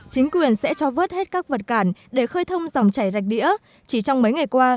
chính quyền sẽ cho vớt hết các vật cản để khơi thông dòng chảy rạch đĩa chỉ trong mấy ngày qua